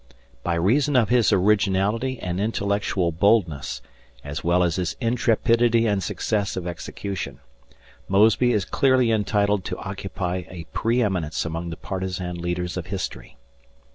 By reason of his originality and intellectual boldness, as well as his intrepidity and success of execution, Mosby is clearly entitled to occupy a preëminence among the partisan leaders of history.